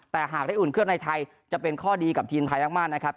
แต่หากได้อุ่นเครื่องในไทยจะเป็นข้อดีกับทีมไทยมากนะครับ